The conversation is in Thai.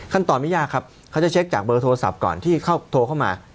ตอนไม่ยากครับเขาจะเช็คจากเบอร์โทรศัพท์ก่อนที่เขาโทรเข้ามา